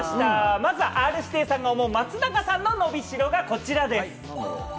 まずはＲ−指定さんが思う松永さんののびしろがこちらです。